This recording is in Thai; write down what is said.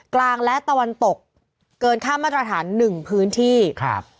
กลางและตะวันตกเกินค่ามาตรฐานหนึ่งพื้นที่ครับ